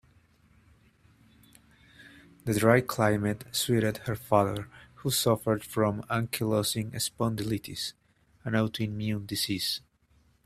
The dry climate suited her father, who suffered from ankylosing spondylitis, an autoimmune disease.